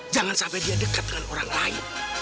jangan sampai dia dekat dengan orang lain